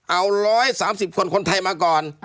เอา๑๓๐คนคนไทยมาก่อน